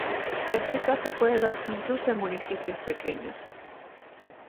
Este caso puede darse incluso en municipios pequeños.